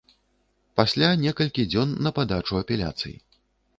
Пасля некалькі дзён на падачу апеляцый.